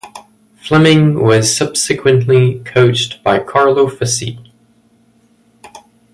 Fleming was subsequently coached by Carlo Fassi.